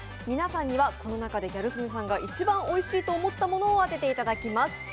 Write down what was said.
皆さんにはこの中でギャル曽根さんが一番おいしいと思ったものを当てていただきます。